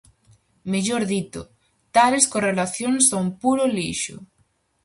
Mellor dito, tales correlacións son puro lixo.